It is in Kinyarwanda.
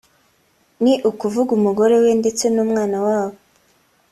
ni ukuvuga umugore we ndetse n’umwana wabo